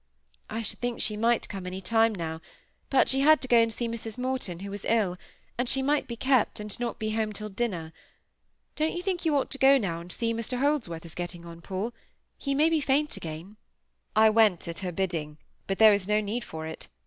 "I should think she might come any time now; but she had to go and see Mrs Morton, who was ill, and she might be kept, and not be home till dinner. Don't you think you ought to go and see how Mr Holdsworth is going on, Paul? He may be faint again." I went at her bidding; but there was no need for it.